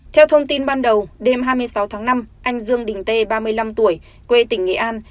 theo thông tin ban đầu đêm hai mươi sáu tháng năm anh dương đình tê ba mươi năm tuổi quê tỉnh nghệ an